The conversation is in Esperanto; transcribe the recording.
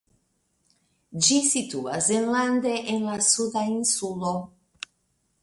Ĝi situas enlande en la Suda Insulo.